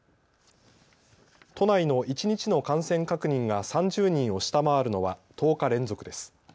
都内の一日の感染確認が３０人を下回るのは１０日連続です。